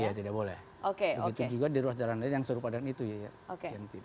iya tidak boleh oke oke begitu juga di ruang jalan lain yang serupa dengan itu